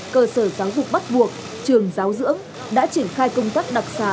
cơ sở giáo dục bắt buộc trường giáo dưỡng đã triển khai công tác đặc xá